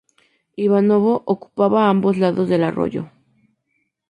Ivanovo ocupaba ambos lados del arroyo.